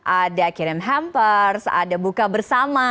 ada kirim hampers ada buka bersama